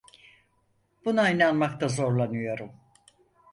Buna inanmakta zorlanıyorum.